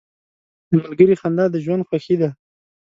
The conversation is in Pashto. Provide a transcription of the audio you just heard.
• د ملګري خندا د ژوند خوښي ده.